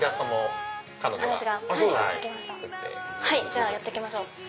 じゃあやって行きましょう。